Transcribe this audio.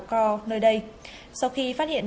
co nơi đây sau khi phát hiện